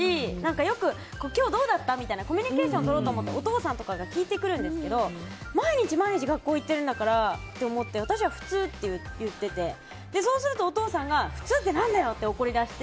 よく今日どうだった？とかコミュニケーションをとろうと思ってお父さんとかが聞いてくるんですけど毎日毎日学校行ってるんだからと思って、私は普通って言っててそうすると、お父さんが普通って何だよ！って怒りだして。